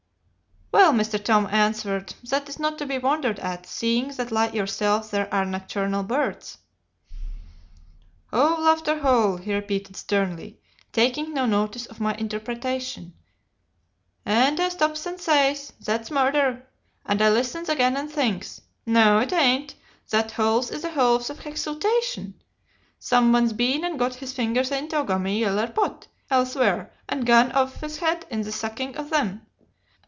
"'Well, Mr. Tom,' I answered, 'that is not to be wondered at, seeing that like yourself they are nocturnal birds.' "''Owl after 'owl!' he repeated sternly, taking no notice of my interpretation, 'and I stops and says, "That's murder," and I listens again and thinks, "No, it ain't; that 'owl is the 'owl of hexultation; some one's been and got his fingers into a gummy yeller pot, I'll swear, and gone off 'is 'ead in the sucking of them."